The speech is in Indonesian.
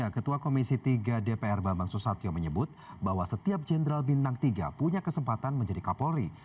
ketua komisi tiga dpr bambang susatyo menyebut bahwa setiap jenderal bintang tiga punya kesempatan menjadi kapolri